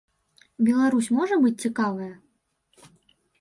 Беларусь можа быць цікавая?